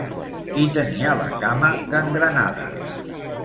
Qui tenia la cama gangrenada?